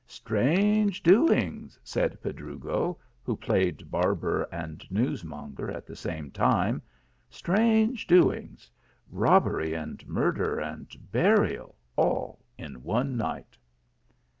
" Strange doings," said Pedrugo, who played bar ber and newsmonger at the same time. " Strange doings ! Robbery, and murder, and burial, all in one night